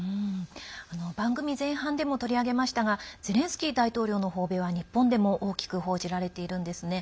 番組前半でも取り上げましたがゼレンスキー大統領の訪米は日本でも大きく報じられているんですね。